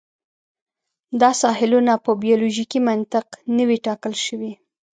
دا ساحلونه په بیولوژیکي منطق نه وې ټاکل شوي.